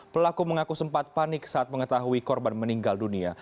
pelaku mengaku sempat panik saat mengetahui korban meninggal dunia